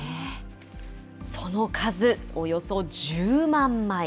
その数、およそ１０万枚。